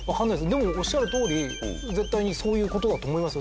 でもおっしゃるとおり絶対にそういう事だと思いますよ。